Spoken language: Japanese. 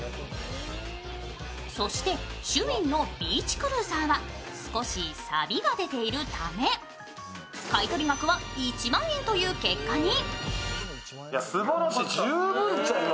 そしてシュウィンのビーチクルーザーは、少しさびが出ているため買取額は１万円という結果に。